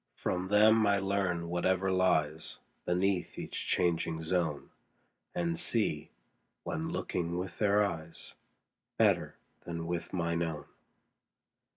From them I learn whatever lies Beneath each changing zone, And see, when looking with their eyes, 35 Better than with mine own.